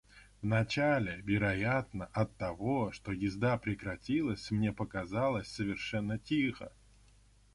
Вначале, вероятно, оттого, что езда прекратилась, мне показалось, совершенно тихо.